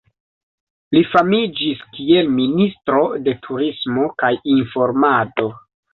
Li famiĝis kiel ministro de Turismo kaj Informado.